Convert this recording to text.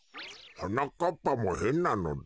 はなかっぱもへんなのだ。